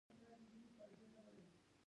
مځکه د اقلیم د بدلون له امله ګواښمنه شوې ده.